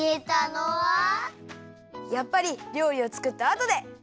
やっぱりりょうりをつくったあとで！